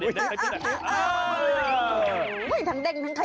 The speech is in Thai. ทั้งเด็งทั้งเขย่า